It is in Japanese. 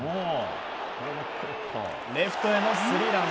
レフトへのスリーラン。